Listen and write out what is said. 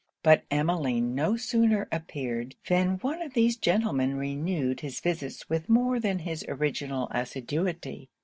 But Emmeline no sooner appeared, than one of these gentlemen renewed his visits with more than his original assiduity.